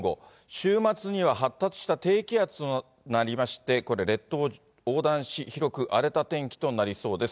週末には発達した低気圧となりまして、これ、列島を横断し、広く荒れた天気となりそうです。